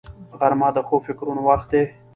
غرمه د ښو فکرونو وخت دی